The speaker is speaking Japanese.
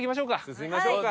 進みましょうか。